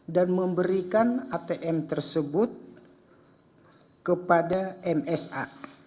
dan memberikan atm tersebut kepada msa